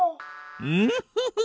ウッフフフ。